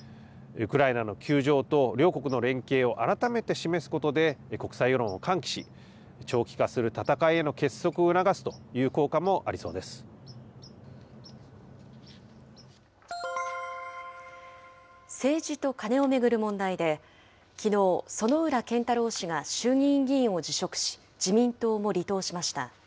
ウクライナの窮状と両国の連携を改めて示すことで、国際世論を喚起し、長期化する戦いへの結束を政治とカネを巡る問題で、きのう、薗浦健太郎氏が衆議院議員を辞職し、自民党を離党しました。